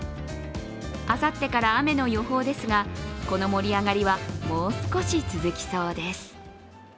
あさってから雨の予報ですが、この盛り上がりはもう少し続きそうです。